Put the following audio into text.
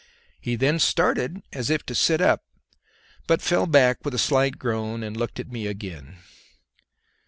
He then started as if to sit up, but fell back with a slight groan and looked at me again.